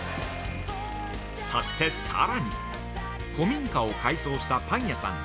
◆そしてさらに、古民家を改装したパン屋さん